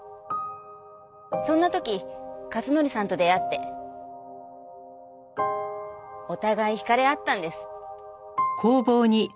そんな時克典さんと出会ってお互い引かれ合ったんです。